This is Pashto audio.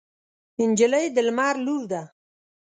نجلۍ د لمر لور ده.